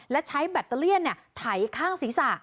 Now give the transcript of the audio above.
และใช้แบตเตอเลี่ยนไถข้างศีรษะ